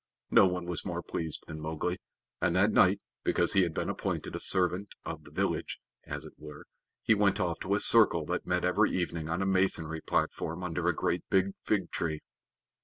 No one was more pleased than Mowgli; and that night, because he had been appointed a servant of the village, as it were, he went off to a circle that met every evening on a masonry platform under a great fig tree.